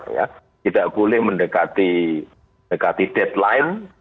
ya tidak boleh mendekati deadline